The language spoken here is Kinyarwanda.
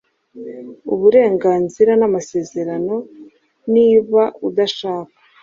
uburenganzira namasezerano Niba udashaka